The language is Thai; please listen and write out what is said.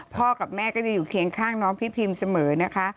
กับแม่ก็จะอยู่เคียงข้างน้องพี่พิมเสมอนะคะ